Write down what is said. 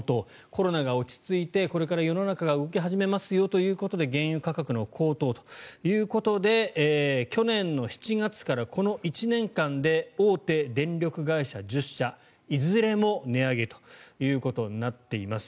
コロナが落ち着いてこれから世の中が動き始めますよということで原油価格の高騰ということで去年７月からこの１年間で大手電力会社１０社いずれも値上げということになっています。